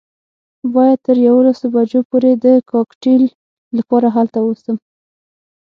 باید تر یوولسو بجو پورې د کاکټیل لپاره هلته ووسم.